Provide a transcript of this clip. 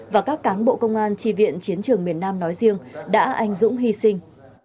và các cán bộ công an tri viện chiến trường miền nam nói riêng đã anh dũng hy sinh